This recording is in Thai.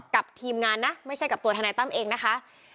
ทีมงานนะไม่ใช่กับตัวทนายตั้มเองนะคะ